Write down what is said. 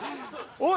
おい！